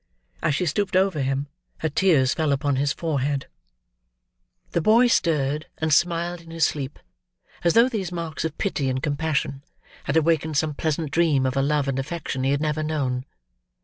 As she stooped over him, her tears fell upon his forehead. The boy stirred, and smiled in his sleep, as though these marks of pity and compassion had awakened some pleasant dream of a love and affection he had never known.